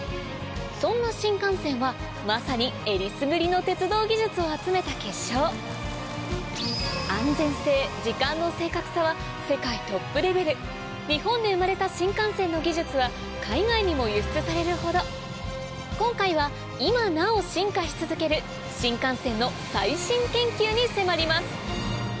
そんな新幹線はまさにえりすぐりの鉄道技術を集めた結晶安全性時間の正確さは世界トップレベル日本で生まれた新幹線の技術は海外にも輸出されるほど今回は今なお進化し続ける新幹線の最新研究に迫ります